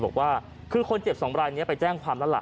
บอกว่าคือคนเจ็บสองรายนี้ไปแจ้งความแล้วล่ะ